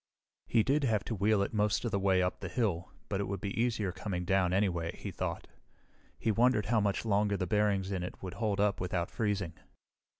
He did have to wheel it most of the way up the hill, but it would be easier coming down anyway, he thought. He wondered how much longer the bearings in it would hold up without freezing.